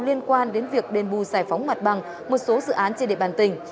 liên quan đến việc đền bù giải phóng mặt bằng một số dự án trên địa bàn tỉnh